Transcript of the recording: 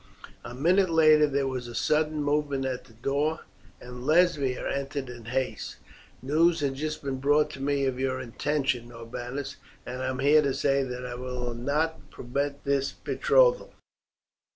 A minute later there was a sudden movement at the door, and Lesbia entered in haste. "News has just been brought to me of your intention, Norbanus, and I am here to say that I will not permit this betrothal."